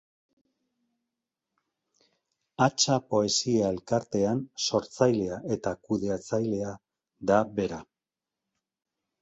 Hatsa poesia elkartean sortzailea eta kudeatzailea da bera.